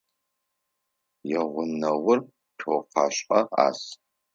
Ягъунэгъур цокъэшӏэ ӏаз.